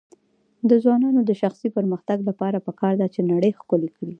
د ځوانانو د شخصي پرمختګ لپاره پکار ده چې نړۍ ښکلی کړي.